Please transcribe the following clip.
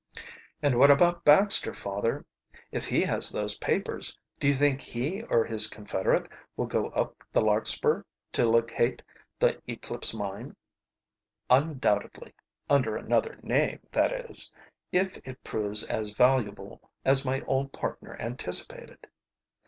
"And what about Baxter, father? If he has those papers, do you think he or his confederate will go up the Larkspur to locate the Eclipse Mine?" "Undoubtedly under another name that is, if it proves as valuable as my old partner anticipated."